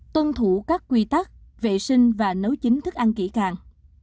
tuân thủ các quy tắc vệ sinh và nấu chính thức ăn kỹ càng